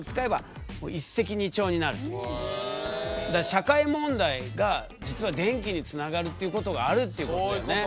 社会問題が実は電気につながるっていうことがあるっていうことだよね。